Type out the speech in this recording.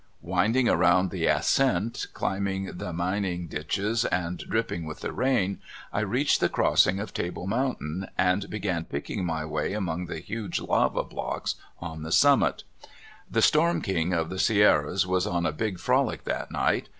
Winding around the ascent, jump ing the mining ditches, and dripping with the rain, I reached the crossing of Table Mountain, and be gan picking my way among the huge lava blocks on the summit. The storm king of the Sierras was on a big frolic that night!